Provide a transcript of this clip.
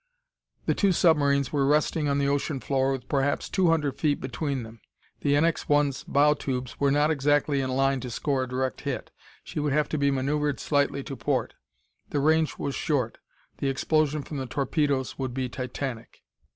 The two submarines were resting on the ocean floor with perhaps two hundred feet between them. The NX 1's bow tubes were not exactly in line to score a direct hit; she would have to be maneuvered slightly to port. The range was short; the explosion from the torpedoes would be titanic.